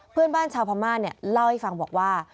เพื่อนบ้านชาวพม่าเล่าให้ฟังบอกว่า